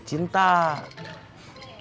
coba ribet dalam ini aja